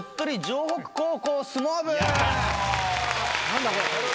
何だこれ。